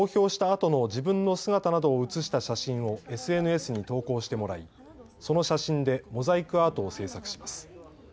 あとの自分の姿などを写した写真をＳＮＳに投稿してもらいその写真でモザイクアートを制作します。